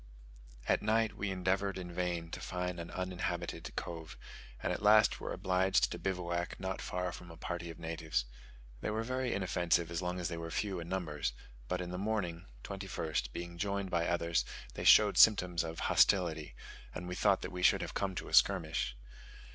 At night we endeavoured in vain to find an uninhabited cove; and at last were obliged to bivouac not far from a party of natives. They were very inoffensive as long as they were few in numbers, but in the morning (21st) being joined by others they showed symptoms of hostility, and we thought that we should have come to a skirmish.